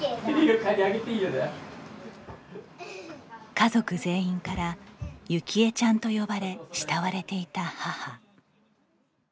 家族全員からユキエちゃんと呼ばれ、慕われていた母。